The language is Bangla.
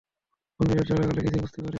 ঘূর্ণিঝড় চলাকালে কিছুই বুঝতে পারিনি।